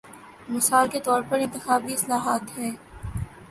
مثال کے طور پر انتخابی اصلاحات ہیں۔